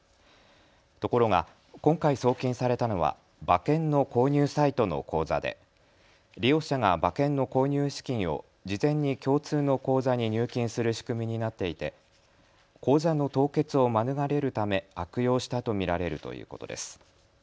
ところが今回送金されたのは馬券の購入サイトの口座で利用者が馬券の購入資金を事前に共通の口座に入金する仕組みになっていて口座の凍結を免れるため悪用したと見られるということです。